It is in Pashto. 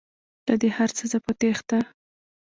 له دې هرڅه زه په تیښته